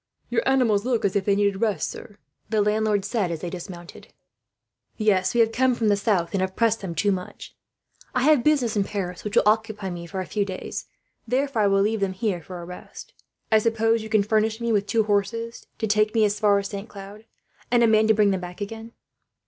"Your animals look as if they needed rest, sir," the landlord said, as they dismounted. "Yes, we have come from the south, and have pressed them too much. I have business in Paris which will occupy me for a few days; therefore I will leave them here, for a rest. I suppose you can furnish me with two horses, to take me as far as Saint Cloud, and a man to bring them back again."